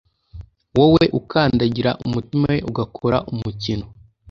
Wowe ukandagira umutima we ugakora umukino